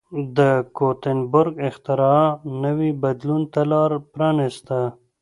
د ګوتنبرګ اختراع نوي بدلون ته لار پرانېسته.